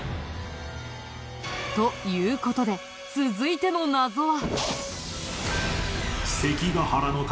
という事で続いての謎は。